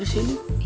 bisa taruh disini